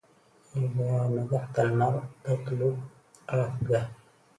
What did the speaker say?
إذا ما مدحت المرء تطلب رفده